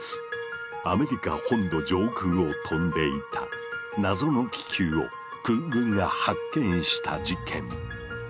アメリカ本土上空を飛んでいた謎の気球を空軍が発見した事件。